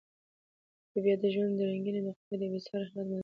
طبیعت د ژوند د رنګینۍ او د خدای د بې ساري رحمت مظهر دی.